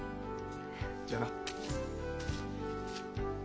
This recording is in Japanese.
じゃあな。